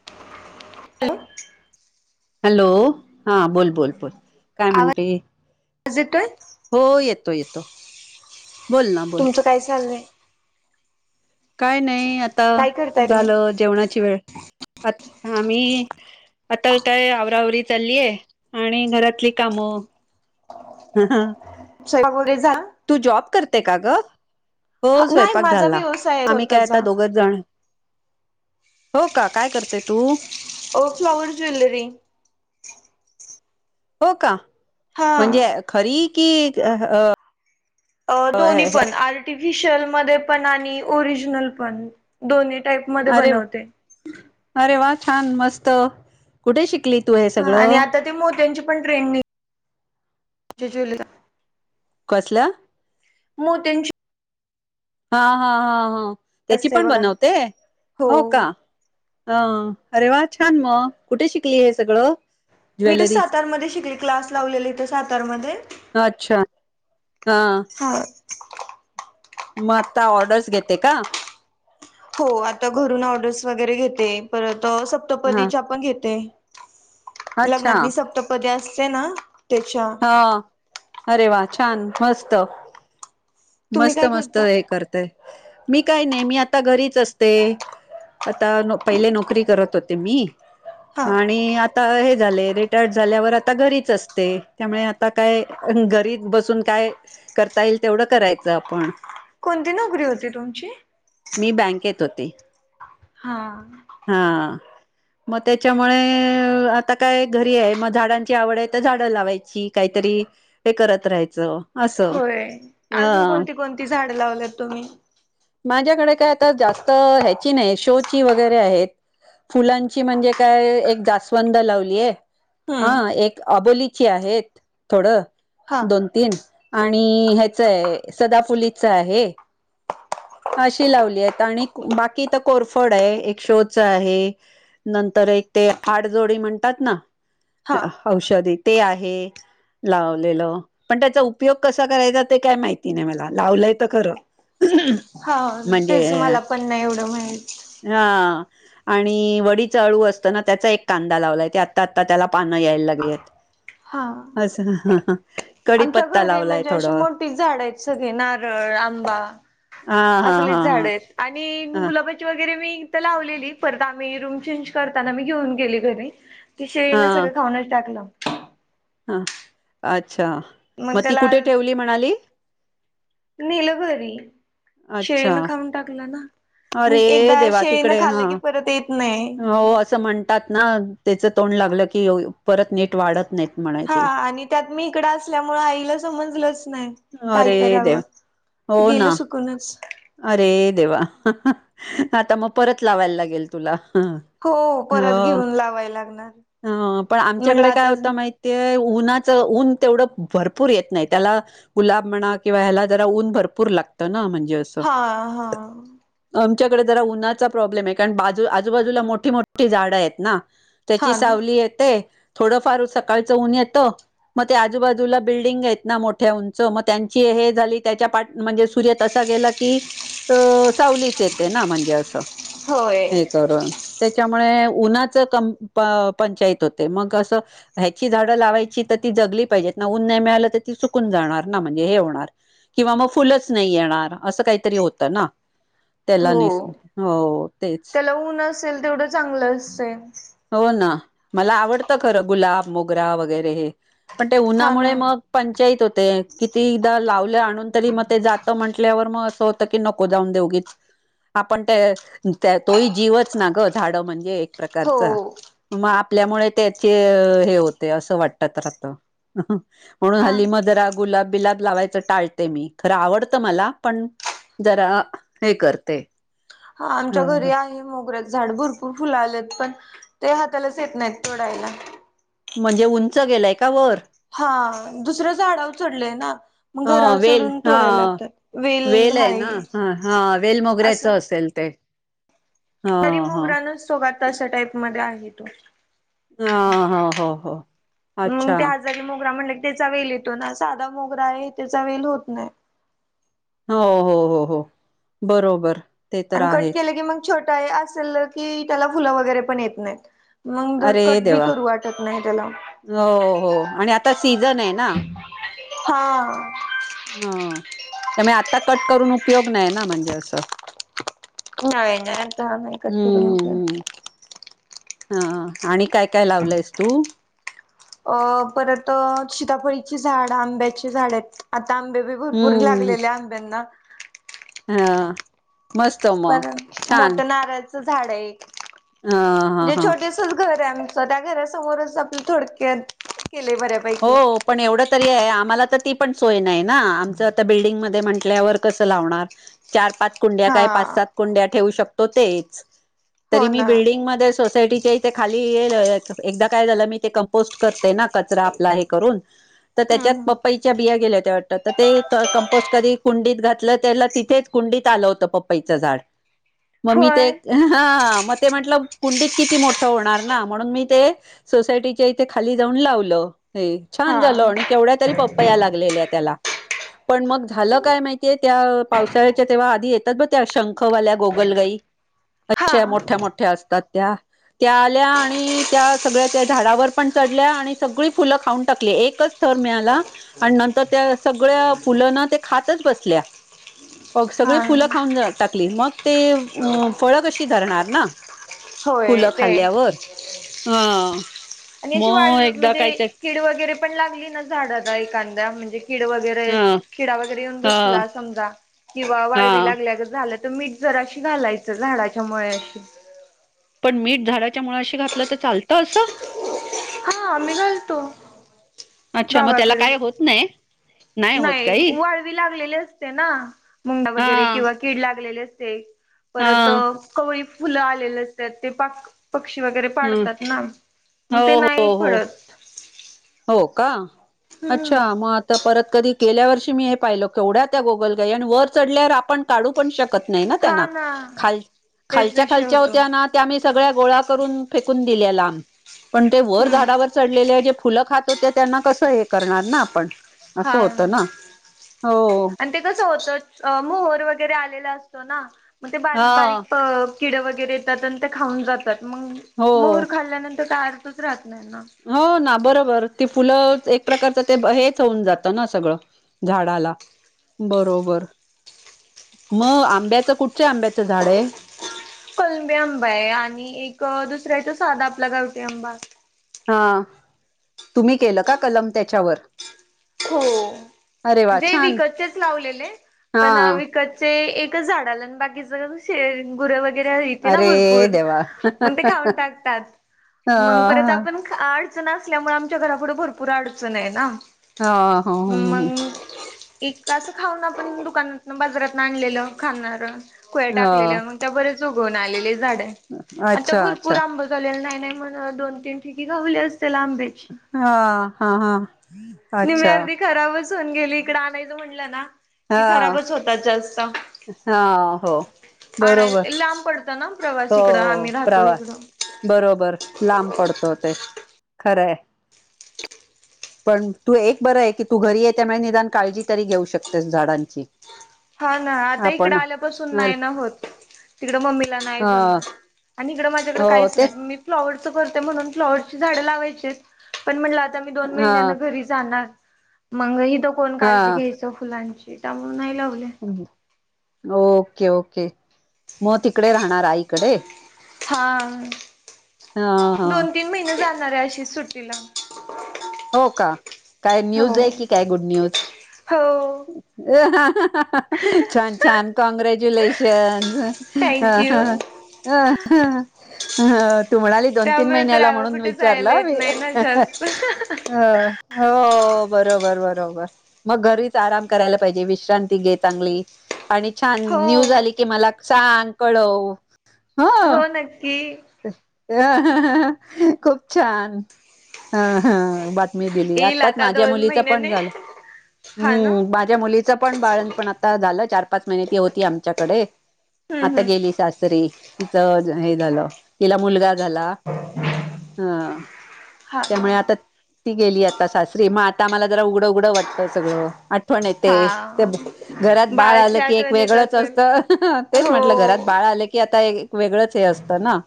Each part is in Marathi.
[unintelligible] हॅलो, हा बोल बोल बोल काय आवाज म्हणते? येतोय हो येतो येतो बोल ना बोल तुमचं काय चालय? काय नाही आता झालं जेवणाची वेळ आता आम्ही आता काय आवराअवरी चाललीय आणि घरातली कामं. ह ह‌ स्वयंपाक वगैरे झालं? तू जॉब करते का ग? हा हो नाही स्वयंपाक माझा झाला. व्यवसाय आहे आम्ही काय स्वतःचा आता दोघच जण. हो का काय करते तू? व फ्लॉवर ज्वेलरी. हो का, हा म्हणजे खरी की? अ अ दोन्ही पण आर्टिफिशियल मध्ये पण आणि ओरिजनल पण. दोन्ही टाईप मध्ये बनवते. अरे वा छान मस्त कुठे शिकली तू हे हा आणि सगळं? आता ते मग त्यांची पण ट्रेन नाही [unintelligible] कसला? मोत्यांची हा हा हा हो त्याची असते पण बघा बनवते हो का. अ अरे वा छान मग कुठे शिकली हे सगळं? मी तर ज्वेलरीच सातारमध्ये शिकली क्लास लावलेले इथं सातारमध्ये. अच्छा हा हा मग आता ऑर्डर्स घेते का? हो आता घरून ऑर्डर्स वगैरे घेते परत हा सप्तपदीच्या पण घेते. अच्छा लग्नातनी सप्तपदी असते ना त्याच्या हा अरे वा छान मस्त. तुम्ही मस्त काय मस्त करता? हे करतय मी काय नाही मी आता घरीच असते. आता पहिले नोकरी करत होते मी हा आणि आता हे झाले रिटायर्ड झाल्यावर आता घरीच असते. त्यामुळे आता काय घरीत बसून काय करता येईल तेवढं करायचं आपण. कोणती नोकरी होती तुमची? मी बँकेत होते. हा हा मग त्याच्यामुळे आता काय घरी आहे मग झाडांची आवड आहे तर झाडं लावायची. काहीतरी हे करत राहायचं. असं होय अजून ह कोणती कोणती झाड लावलेत तुम्ही? माझ्याकडे काय आता जास्त ह्याची नाही शोची वग वर आहेत फुलाची म्हणजे काय एक जास्वंद लावलीय. हम्म हा एक आबोलीची आहेत थोडं हा दोन तीन. आणि ह्याच आहे सदाफुलीच आहे. अशी लावली आहेत, आणि बाकी तर कोरफड आहे एक शोच आहे. नंतर एक ते हाडजोडी म्हणतात ना हा औषध ते आहे. लावलेलं पण त्याचा उपयोग कसा करायचा ते काय माहिती नाही मला लावलंय तर खरं. हा म्हणजे तेच मला पण नाही एवढं माहित. हा आणि वडीचा अळू असताना त्याचा एक कांदा लावलाय ते आत्ता आत्ता त्याला पानं यायला लागेलत. हा आमच्या कडीपत्ता घरी लावलाय म्हणजे अशी थोडं मोठी झाड आहेच. नारळ, आंबा हा हा असले हा झाड आहेत आणि हा ह गुलाब वगैरे मी इथ लावलेलीत परत आम्ही रूम चेंज करताना मी घेऊन गेली घरी. ती शेळीन सगळं खाऊनच टाकलं. हं, अच्छा, मग ती कुठे ठेवली, म्हणाली? नेलं घरी, अच्छा, शेळीनं खाऊन टाकलं ना. मग अरे एकदा देवा, शेळीनं तिकडे खाल्लं की हं, परत येत नाही. हो असं म्हण तात ना त्याचं तोंड लागलं की, परत नीट वाढत नाहीत. म्हणे ते. हां आणि त्यात मी इकडं असल्यामुळ आईला समजलंच नाही, काय अरे कराव. देव! हो ना. कोणाचं? अरे देवा, ह्ह्हणं आता मग परत लावायला लागेल तुला. हो परत ह घेऊन लावाय लागणार. ह, पण म्हणलं आमच्याकडे काय आता होत माहि ते उन्हाचं, ऊन तेवढं भरपूर येत नाही, त्याला गुलाब म्हणा किंवा ह्याला जरा ऊन भरपूर लागतं ना, म्हणजे अस. हां हां. आमच्याकड जरा उन्हाचा प्रॉब्लेम ये, कारण बाजू आजूबाजूला मोठी-मोठी झाडं येत ना. त्याची हा ना सावली येते, थोडंफार सकाळचं ऊन येतं. म ते आजूबाजूला बिल्डिंग येत ना, मोठ्या उंच, मग त्यांची हे झाली त्याच्या पाठ, म्हणजे सूर्य तसा गेला कि, अ सावलीच येते ना, म्हणजे असं, होय हे करून त्याच्यामुळे उन्हाचं कम प-पंचायत होते, मग असं ह्याची झाडं लावायची, तर ती जगली पाहिजेत ना, उन नाहीय मिळालं, तर ती सुकून जाणार ना, म्हणजे हे होणार किंवा मग फुलच नही येणार. असं काहीतरी होतं ना, त्याला निस हो, तेच. ऊण असेल, तेवढं चांगलं असतं. हो ना, मला आवडतं खरं गुलाब, मोगरा वगैरे, पण ते हा उन्हामुळे ना मग पंचायत होते, किती दा लावल आणून तरी मग ते जातं म्हटल्यावर म अस हो त की, नको जाऊन दे उगीच. आपण त्य, अ त्य तोही जीवच ना गं, झाडं म्हणजे एक प्रकार हो. चा, म आपल्यामुळे त्याचे हे होते, असं वाटत तर आता. हहं, म्हणून हा हल्ली म जरा गुलाब बिलाब लावायच टाळते मी, खर आवडत मला, पण जरा हे करते. हां आमच्या ह घरी आहे, मोगऱ्या झाड, भरपूर फुलं आलेत, पण ते हातालाच येत नाहीत, तोडायला. म्हणजे उंच गेलंय का, वर? हां दुसऱ्या झाडावर चढलंय ना, मग हा घरावर वेल चढून हा तोडायला लागतात. वेल ये ना, हां हं वेल असं मोगऱ्याचं असेल ते. हा तरी हा मोगरानच सोगाता, अशा टाईप मध्ये आहे तो. हं, हो हो ह अच्छा. कळी मोगरा म्हणलं की, त्याचा वेल येतो ना, साधा मोगरा ये त्याचा वेल होत नही. हो हो हो हो, बरोबर. ते तर आणि कट आहेच केलं की, मग छोटा ये असल की, त्याला फुलं वगैरे पण येत नाहीत. मंग धड अरे कट बी देवा करू वाटत नही, त्याला. हो हो आणि आता सीझन ये ना. हां. हं त्यामुळे आता कट करून उपयोग नाही ना, म्हणजे असं. नाहीं नाहीं हां नाहीं कंट करूंन हो हां आणि कायं कायं लावलंयस तूं अं परंत सीताफळीचे झाडं आंब्याचे झाडं आहेतं आंता आंबे भरपूंरी लागलेल्या आंब्यांना हां मस्तंच पणं मोठ नारळाचं झाडं आहे हा हा जे हा छोटे असं घरं आहे आमचं त्यां घरांसमोरच आपणं थोडं कयांत केअर केले बरे हो पणं एवढं तरी आम्हांला तरं ती पणं सोय नाहीं नां आमचं आंता बिल्डिंगमध्यें म्हटल्यांवर कसं लावणारं चार पांच कुंड्या हा कां पांच सात कुंड्या ठेवूं शकतो तेचं हो तरी मी ना बिल्डिंगमध्ये सोसांयटीच्या इ ते खांली ये एकदाचं कायं झालं मी ते कमपोस्ट करं ते नां कचरां आपलां हे करूंन तरं हम्म त्यांच्यात हम्म. पप्पईच्या बिया गेल्यां होत्यां वाटतं. आंता ते कंपोस्ट कधीं कुंडीत घातलं त्यांला तिथेच कुंडीत आलं होतं पप्पईचं झाडं मं मी ते होय हां मंग ते म्हटलं कुंडीत किती मोठं होणारं नां म्हणूंन मी ते सोसायटीच्या इथे खाली जाऊंन लावलं हे छान हा झालं आणि केवढ्यां तरी पप्पा यां लागलं लागलेल्यां त्यांला पणं मंग झालं कायं माहितीय त्यां पावसाळ्यांच्या तेंव्हा आंधी येतांत बंग त्यां शंखवाल्यां गोगलगाई हा अच्छा मोठ्या मोठ्या असतांत त्यां त्यां आंल्या आणि त्यां सगळ्यां त्यां झाडांवर पणं चढल्यां आणि सगळीं फुलं खाऊंन टाकले एकचं थरं मिळाला. आणि नंतर त्यां सगळ्यां फुलं नां ते खायचं बसल्यां. हो हा सगळीं फुलं खाऊंन टाकली मंग ते फळं कशी धरणांर नां होय फुलं ते. खाल्ल्यांवर अं आणि अशी मंग वाळवी एकदाचं म्हणजे कायं कीड वगैरें पणं लागली नां झाडांला एखाद्याच्या म्हणजे कीड वगैरें हम्मं खिडा वगैरें येऊंन बसलां समजा किंवा हा वाळवी लागल्या झालं तरं मीठ जरं अशी घालायचं झाडांच्या मुळां अशी पणं मीठ झाडांच्या मुळांशी घातलं तरं चालतं असं. हां मी घालतो अच्छा मग त्याला गावांकडे काय होत नाही नाही होत नाहीं काही वाळवी लागलेली असते नां मुंडा हा वगैरें किंवा कीड लागलेली असते हा परंत कवळी फुलं आलेले असतं ते पाक पक्षी वगैरें हो पाडतांत नां मगं ते हो नाहीं. हो हो कां हम्म अच्छा मंग आं तरं परंत कधीं केल्यां वर्षी मी हे पाहिलो केवढ्यां त्यां गोगल गाई आणि वरं चढल्यांवर आपणं काढूं पणं शकतं. नाहीं हा त्यांना ना खां तेच खांलच्या विषय खांलच्या होतो. होत्यां नां त्यां आम्हीं सगळ्यां गोळां करूंन फेकूंन दिल्यां लांब पणं ते वरं हम्म झाडांवर चढलेले जे फुलं खातं होते त्यांना कसं हे करणारं नां आपणं हां आणि ते कसं होतं. अं मोहर वगैरें आलेला असतो नां मगं ते हा बारीक बारीक किडे वगैरें येतांत आणि ते खाऊंन जातांत मंग हो मोहर खाल्ल्यानंतर कायं अर्थच राहतं नाहीं नां हो नां बरोबर ती फुलं एक प्रकारचं ते हेंच होऊंन जातं नां सगळं झाडांला बरोबर मंग आंब्याचं कुंठच्या आंब्याचं झाडं आहे. कलमी आंबा आहे आणि एक दुसरांया आहे तो सांधा आपला गावठी आंबा हा तुम्ही केलं का कलम त्यांच्यावर. हो म्हणजे छान विकतचेच लावलेले हा पण वि ''--'' कचे एकच झाडाला न बाकीच सगळं ब ''--'' चे गुर वगैरे येते ना अरे भरपूर देवा मण ते खाऊन टाकतात. ह मग परत हा, आपण अडचण असल्यामुळे आमच्या घरापुढ भरपूर अडचण आहे ना. हा, मग. एक असं खाऊन आपण दुकानात बाजारातून आणलेलं खाणार कोुया्या ह टाकलेलं मग. त्या बरेच उगवून आलेले झाड आहे आता अच्छा अच्छा भरपूर आंबा. गलेलं नाही नाही म्हण दोन तीन ठिकी गावल्या असेल आंब्याची. हा हा हा, निहमी अच्छा आर्धी खराबच होऊन गेली इकडं आणायचं म्हणलं ना. हा कि खराबच होतात जास्त हा हो आण बरोबर लांब पडत. त ना प्रवास हो इकडं आम्ही राहतो प्रवा इकडं. बरोबर लांब पडतो ते खरंय. [inaudible] पण तू एक बरं आहे की तू घरी आहे त्यामुळे निदान काळजी तरी घेऊ शकतेस झाडांची. हा ना आता इकडे आपण आल्यापासून नाही ना होत. तिकडं मम्मीला नाही अ जमत आणि इकडं माझ्याकडं हो काहीच ते नाही मी. फ्लॉवरर्स करते म्हणून फ्लॉअर्सची झांड लावायची हाईत. पण म्हटलं आता मी दोन हा महिन्यांना घरी जाणार मग हथ कोण हा काळजी घ्यायची. त्या फुलांची त्यामुळेून नाही लावले. हम हम ओके ओके. मग तिकडे राहणार आई इकडे. हा, हा हा दोन तीन महिने जाणार आहे अशी सुट्टीला. हो का काय हो न्यूज आहे की काय गुड न्यूज. हो [inaudible] छान छान कॉँंग्रॅच्युलेशन थँक यू ह. अ तू म्हणाली दोन तीन त्यामुळे तर महिन्याला म्हणून विचारला मी. ह [inaudible] ह हो बरोबर बरोबर. मग घरीच आराम करायला पाहिजे विश्रांती घे चांगली. आणि छान हो न्यूज आली की मला सांग कळव. ह हो नक्की. खूप छान हा हा बा ''--'' मी दिली येईल आताच आता माझ्या दोन मुलीच पण महिन्याने झालं हा हो ना बा ''--'' माझ्या मुलीच पण बाळण पण आता झालं चार पाच महिने ती होती आमच्याकडे. हम्म आता हम्म गेली सासरी तिचं हे झालं. तिला मुलगा झाला अ हा त्यामुळे आता. ती गेली आता सासरी मग आता मला जरा उघडं उघडं वाटत सगळं. आठवण येते ते हा घरात बाळ आलं बाळाची की एक आठवण येत वेगळंच असेल असतं. तेच म्हटलं घरात हो बाळ आले की आता एक वेगळंच हे असतं ना.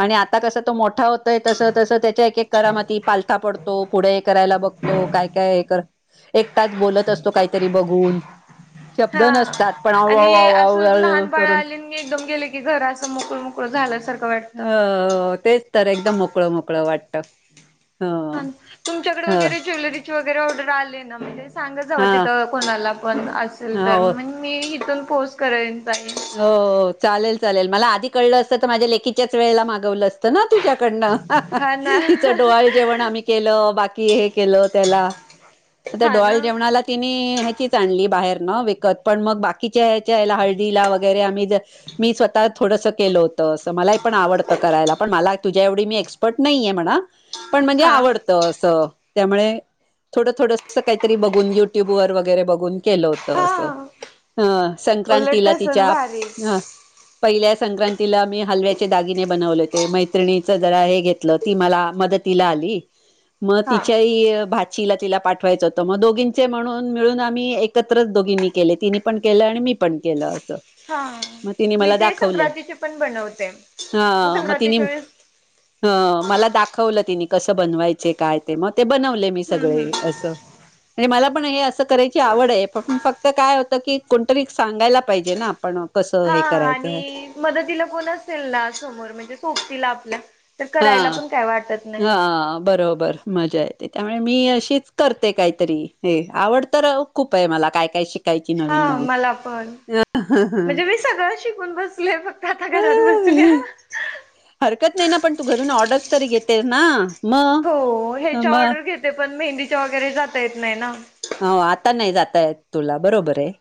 आणि आता कसं तो मोठा होतय तस तसं त्याच्या एक एक करामाती पालथा पडतो पुढे करायला बघ''--'' त काय- काय कर एकटाच बोलत असतो काहीतरी बघून. शब्द हा नसतात पण आणि असं लहान [unintelligible] बाळ करून आले एकदम गेले की घरा अस मोकळ झाल्यासारख वाटत. अ तेच तर एकदम मोकळ मोकळ वाटत. ह हा तुमच्याकडे वगैरे ह ज्वेलरीची वगैरे ऑर्डर आले आहे ना म्हणजे सांगतच हव तिथ कोणाला पण असेल हा तर हो मग मी इथून पोस्ट करायच आहे. हो चालेल -चालेल मला आधी कळल असत तर माझ्या लेखीच्याच वेळेला मागवल असत ना तुझ्याकडन. हाहाहा. हा ना तिचडोवाल जेवण आम्ही केल. बाकी हे केल त्याला [unintelligible] हा ना डोहाळे जेवणाला. तिने ह्याचीच आणली बाहेर न विकत, पण मग बाकीच्या ह्याच्या हळदीला व मी स्वःत थोडस केल होत. मला पण आवडत करायला पण मला तुझी तुझ्याएव्हडी मी एक्सपर्ट नाहीे म्हणा, पण म्हणजे हा आवड अस त्यामुळे थोड थोड स काहीतरी बघून. युट्युब वर वैगरे बगुन केल होत हा अस. हा, उलट संक्रांतीला तसच भारी हा पहिल्या संक्रांतीला आम्ही हलव्याचे दागिने बनवले होते. मैत्रिणीच जरा हे घेतल ती मला मदतीला आली मग हा तिच्याही भा ला तिला पाठवायच होत मग दोघींचे म्हणून मिळून आम्ही एकत्रच दोघींनी केले तिनी पण केल आणि मी पण केल अस. हा मी ते संक्रांतीचे पण बनवते हा मग तिने संक्रांतीच्या वेळेस. ह मला दाखवल तिने कस बनवायचे. काय ते मग ते बनवले. मी हम्म सगळे हम्म अस म्हणजे मला पण हे अस करायची आवड आहे पण फक्त काय होत की कोणतरी सांगायला पाहिजे ना. आपण कसं हा हे करायचं आहे आणि मदतीला कोण असेल ना समोर म्हणजे सोबतीला आपल्या तर करायला हा- पण काय वाटत हा नाही बरोबर मजा येते त्यामुळे मी अशीच करते. काहीतरी हे आवड तर खूप आहे मला काय काय शिक हा मला पण नवीन म्हणजे मी सगळ शिकून बसलेय, फक्त आता घरात बसले हरकत नाही ना पण तू घरुन ऑर्डर्स तरी घेतेस ना. मग हो ह्याच्या मग ऑर्डर घेते पण मेहंदीच्या वगैरे जाता येत नाही ना. हो आता नाही जाताय तुला बरोबर आहे.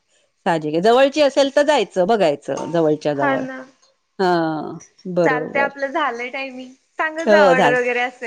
जवळची असेल तर जायच बघायच. जवळची हा ना चालत बरोबर आपल झालय टायमिंग. सांगा हो जरा झालं ऑर्डर वगैरे अस